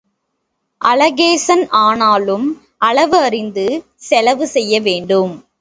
அளகேசன் ஆனாலும் அளவு அறிந்து செலவு செய்ய வேண்டும்.